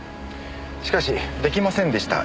しかし「できませんでした。